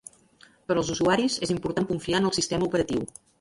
Per als usuaris, és important confiar en el sistema operatiu.